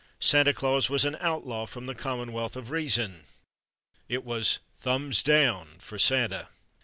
Santa Claus was an outlaw from the Commonwealth of Reason. It was "thumbs down" for Santa!